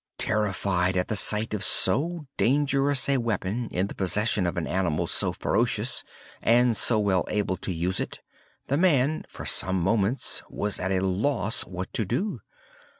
Terrified at the sight of so dangerous a weapon in the possession of an animal so ferocious, and so well able to use it, the man, for some moments, was at a loss what to do.